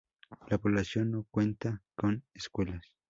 La población no cuenta con escuelas.